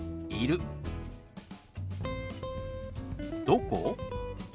「どこ？」。